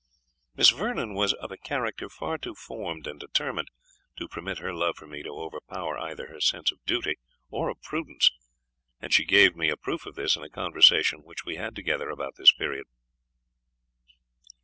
Miss Vernon was of a character far too formed and determined, to permit her love for me to overpower either her sense of duty or of prudence, and she gave me a proof of this in a conversation which we had together about this period.